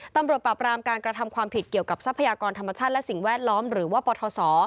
ตำรวจปราบรามการกระทำความผิดเกี่ยวกับทรัพยากรธรรมชาติและสิ่งแวดล้อมหรือว่าปทศ